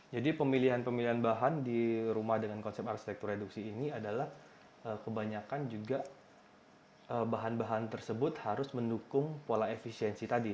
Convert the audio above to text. jadi pemilihan pemilihan bahan di rumah dengan konsep arsitektur reduksi ini adalah kebanyakan juga bahan bahan tersebut harus mendukung pola efisiensi tadi